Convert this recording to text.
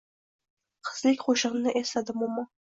Qizlik qo’shig’ini esladi momo